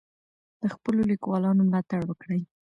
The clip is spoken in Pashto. د خپلو لیکوالانو ملاتړ وکړئ.